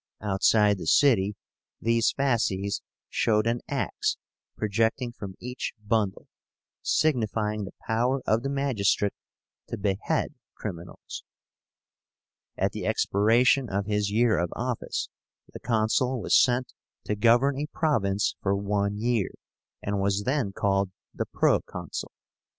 Outside the city, these fasces showed an axe projecting from each bundle, signifying the power of the magistrate to behead criminals." At the expiration of his year of office, the Consul was sent to govern a province for one year, and was then called the Proconsul.